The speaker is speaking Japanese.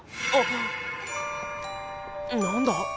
あっ何だ？